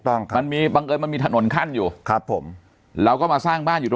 ครับมันมีบังเอิญมันมีถนนขั้นอยู่ครับผมเราก็มาสร้างบ้านอยู่ตรง